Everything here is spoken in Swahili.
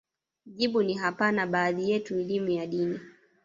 jibu ni hapana Baadhi yetu elimu ya dini